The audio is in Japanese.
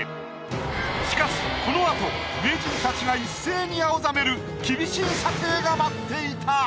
しかしこのあと名人たちが一斉に青ざめる厳しい査定が待っていた！